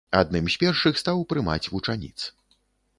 Адным з першых стаў прымаць вучаніц.